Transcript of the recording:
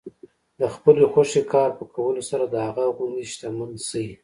د خپلې خوښې کار په کولو سره د هغه غوندې شتمن شئ.